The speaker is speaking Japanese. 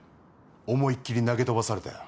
思いっきり投げ飛ばされたよ。